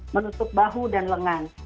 menutup bahu dan lengan